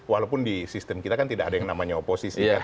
walaupun di sistem kita kan tidak ada yang namanya oposisi kan